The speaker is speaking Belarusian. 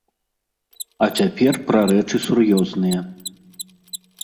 А цяпер пра рэчы сур'ёзныя.